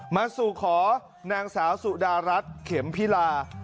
มาสู่ขอนางสาวสุดารัฐเข็มพิลา